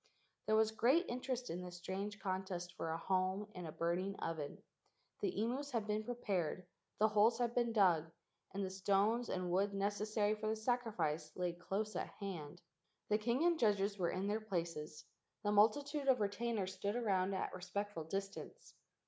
There was great interest in this strange contest for a home in a burning oven. The imus had been prepared: the holes had been dug, and the stones and wood necessary for the sacrifice laid close at hand. The king and judges were in their places. The multitude of retainers stood around at a respect¬ ful distance.